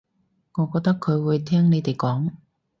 我覺得佢會聽你哋講